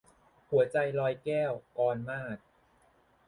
หัวใจลอยแก้ว - กรมาศ